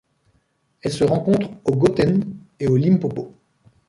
Elle se rencontre au Gauteng et au Limpopo.